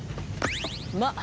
まっ！